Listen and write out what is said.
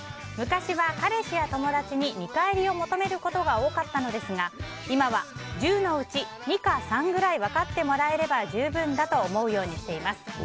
昔は彼氏や友達に見返りを求めることが多かったのですが今は１０のうち２か３くらい分かってもらえれば十分だと思うようにしています。